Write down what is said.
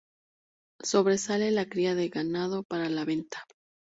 Sobresale la cría de ganado para la venta.